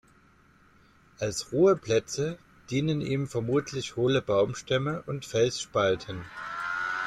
Als Ruheplätze dienen ihnen vermutlich hohle Baumstämme und Felsspalten.